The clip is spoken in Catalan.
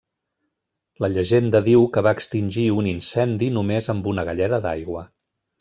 La llegenda diu que va extingir un incendi només amb una galleda d'aigua.